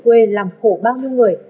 quê làm khổ bao nhiêu người